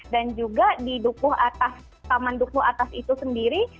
dan juga di dukuh atas taman dukuh atas itu sendiri